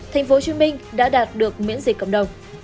tp hcm đã đạt được miễn dịch cộng đồng